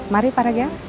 mari pak regar